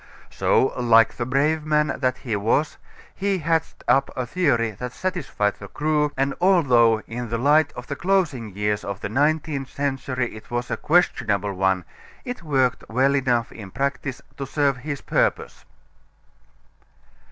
So, like the brave man that he was, he hatched up a theory that satisfied the crew, and although in the light of the closing years of the nineteenth century it was a questionable one, it worked well enough in practice to serve his purpose.